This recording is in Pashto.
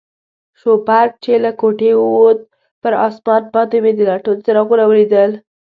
شوپرک چې له کوټې ووت، پر آسمان باندې مې د لټون څراغونه ولیدل.